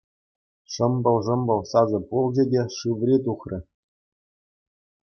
Шӑмпӑл-шампӑл сасӑ пулчӗ те, Шыври тухрӗ.